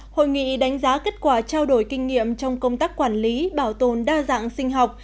hội nghị đánh giá kết quả trao đổi kinh nghiệm trong công tác quản lý bảo tồn đa dạng sinh học